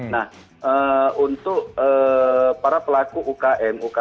nah untuk para pelaku ukm ukm